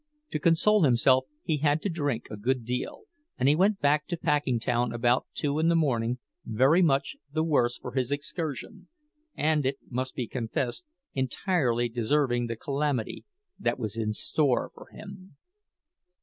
To console himself he had to drink a good deal, and he went back to Packingtown about two o'clock in the morning, very much the worse for his excursion, and, it must be confessed, entirely deserving the calamity that was in store for him.